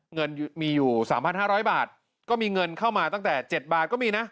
เงินมีอยู่๓๕๐๐บาทก็มีเงินเข้ามาตั้งแต่๗บาทก็มีนะ